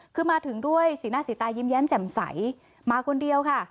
คือมาถึงด้วยสีหน้าสีตายิ้มแจ่มใสมาคนเดียวค่ะ